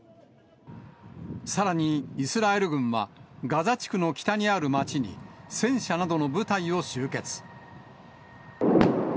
さらにイスラエル軍は、ガザ地区の北にある街に、戦車などの部隊を集結。